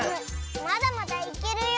まだまだいけるよ。